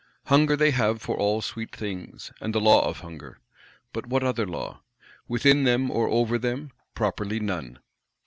Hunger they have for all sweet things; and the law of Hunger; but what other law? Within them, or over them, properly none!